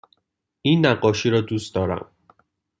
این نقاشی را دوست دارم.